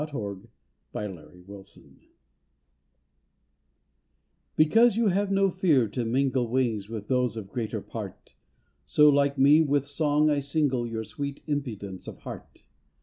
TO A SPARROW Because you have no fear to mingle Wings with those of greater part, So like me, with song I single Your sweet impudence of heart.